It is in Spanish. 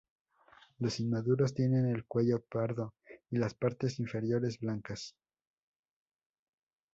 Los inmaduros tienen el cuello pardo y las partes inferiores blancas.